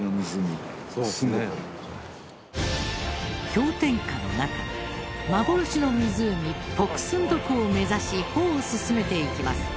氷点下の中幻の湖ポクスンド湖を目指し歩を進めていきます。